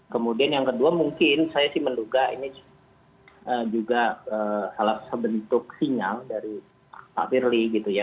kemudian yang kedua mungkin saya sih menduga ini juga salah satu bentuk sinyal dari pak firly gitu ya